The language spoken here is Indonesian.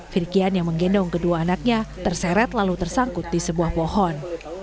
firkian yang menggendong kedua anaknya terseret lalu tersangkut di sebuah pohon